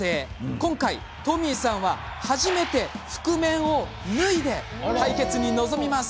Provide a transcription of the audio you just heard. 今回、Ｔｏｍｙさんは初めて覆面を脱いで対決に臨みます。